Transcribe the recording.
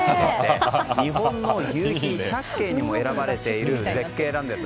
日本の夕陽百景にも選ばれている絶景です。